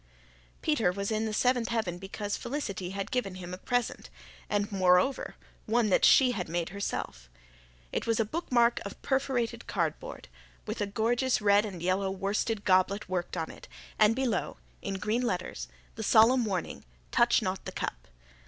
Peter was in the seventh heaven because Felicity had given him a present and, moreover, one that she had made herself. It was a bookmark of perforated cardboard, with a gorgeous red and yellow worsted goblet worked on it, and below, in green letters, the solemn warning, "Touch Not The Cup."